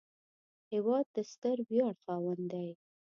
هېواد د ستر ویاړ خاوند دی